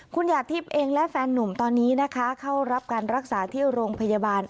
คุณหยาดทิพย์เองและแฟนนุ่มตอนนี้นะคะเข้ารับการรักษาที่โรงพยาบาล